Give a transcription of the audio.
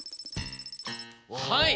はい。